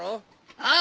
ああ。